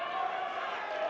aduh di mana tempat duduk itu